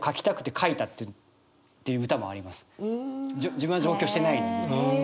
自分は上京してないのに。